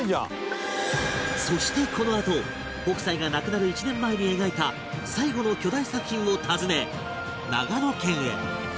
そしてこのあと北斎が亡くなる１年前に描いた最期の巨大作品を訪ね長野県へ